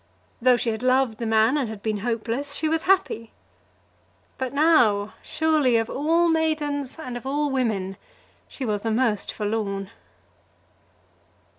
Though she had loved the man and had been hopeless, she was happy. But now, surely, of all maidens and of all women, she was the most forlorn.